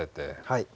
はい。